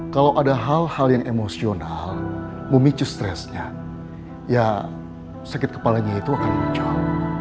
kalau ada hal hal yang emosional memicu stresnya ya sakit kepalanya itu akan muncul